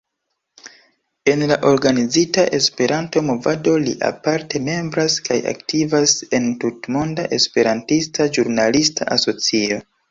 En la organizita Esperanto-movado, li aparte membras kaj aktivas en Tutmonda Esperantista Ĵurnalista Asocio.